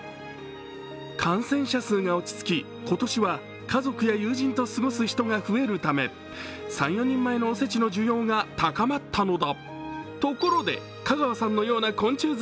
感染者数が落ち着き、今年は家族や友人と過ごす人が増えるため３４人前のお節の需要が高まったのだ。